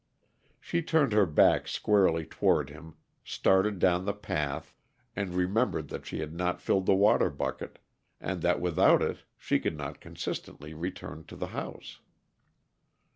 She turned her back squarely toward him, started down the path, and remembered that she had not filled the water bucket, and that without it she could not consistently return to the house.